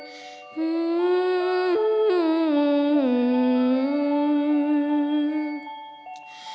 หื้มหื้มหื้ม